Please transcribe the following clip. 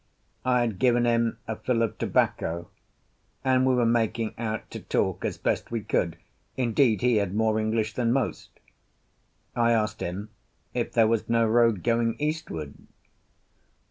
I had given him a fill of tobacco, and we were making out to talk as best we could; indeed, he had more English than most. I asked him if there was no road going eastward.